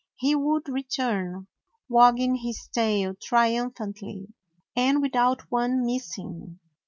He would re turn, wagging his tail triumphantly, and with out one missing.